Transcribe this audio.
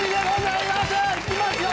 いきますよ！